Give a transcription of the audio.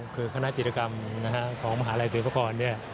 คือคณะจิตกรรมของมหาลัยศิลปกร